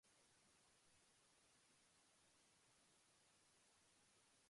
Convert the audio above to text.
My attitude towards money can be reflected in my answers to the following questions.